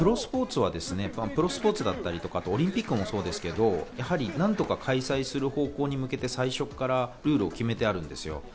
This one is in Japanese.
プロスポーツだったりとか、オリンピックもそうですけど、何とか開催する方向に向けて最初からルールを決めてあるんですよ。